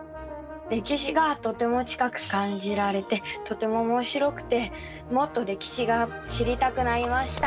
歴史がとても近く感じられてとてもおもしろくてもっと歴史が知りたくなりました。